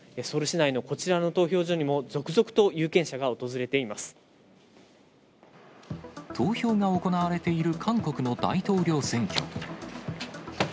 ソウル市内のこちらの投票所にも、投票が行われている韓国の大統領選挙。